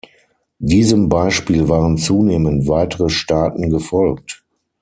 Diesem Beispiel waren zunehmend weitere Staaten gefolgt.